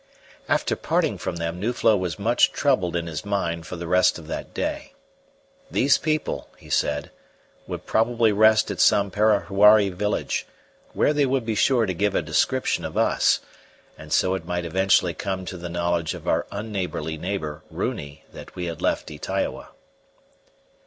After parting from them Nuflo was much troubled in his mind for the rest of that day. These people, he said, would probably rest at some Parahuari village, where they would be sure to give a description of us, and so it might eventually come to the knowledge of our unneighbourly neighbour Runi that we had left Ytaioa.